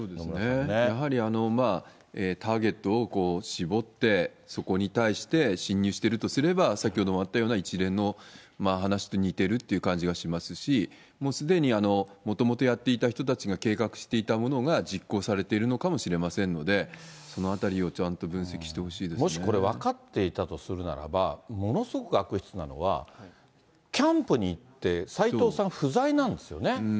やはり、ターゲットを絞って、そこに対して侵入してるとすれば、先ほどもあったような、一連の話と似てるっていう感じがしますし、もうすでにもともとやっていた人たちが計画していたものが実行されているのかもしれませんので、そのあたりをちゃんと分析してほもしこれ、分かっていたとするならば、ものすごく悪質なのは、キャンプに行って、斎藤さん、不在なんですよね。